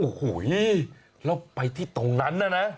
โอ้โหแล้วไปที่ตรงนั้นน่ะนะ